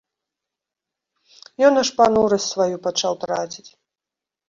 Ён аж панурасць сваю пачаў траціць.